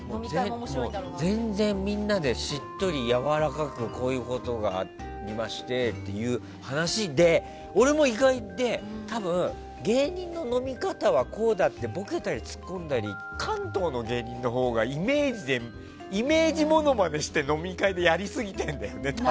全然みんなでしっとりやわらかくこういうことがって話で、俺も多分、芸人の飲み方はこうだってボケたりツッコんだり関東の芸人のほうがイメージものまねして飲み会でやりすぎてるの。